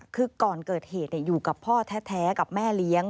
คือก่อนเกิดเหตุอยู่กับพ่อแท้กับแม่เลี้ยง